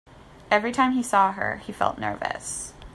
Every time he saw her, he felt nervous.